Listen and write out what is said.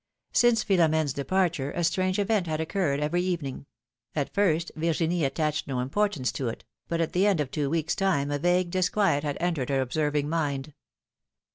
Since Philomene's departure a strange event had oc curred every evening; at first Virginie attached no im portance to it, but at the end of two weeks' time a vague disquiet had entered her observing mind.